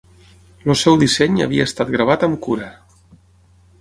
El seu disseny havia estat gravat amb cura.